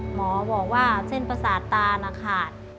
หมอบอกว่าเส้นประสาทตาน่ะขาด